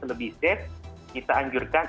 lebih safe kita anjurkan